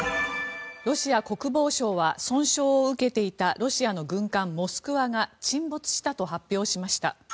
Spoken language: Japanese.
ロシア国防省は損傷を受けていたロシアの軍艦「モスクワ」が沈没したと発表しました。